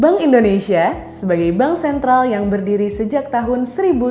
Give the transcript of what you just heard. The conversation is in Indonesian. bank indonesia sebagai bank sentral yang berdiri sejak tahun seribu sembilan ratus sembilan puluh